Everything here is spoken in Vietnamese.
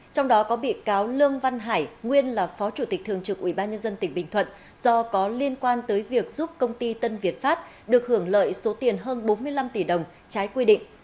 trong đó có bị cáo lương văn hải nguyên là phó chủ tịch thường trực ubnd tỉnh bình thuận do có liên quan tới việc giúp công ty tân việt pháp được hưởng lợi số tiền hơn bốn mươi năm tỷ đồng trái quy định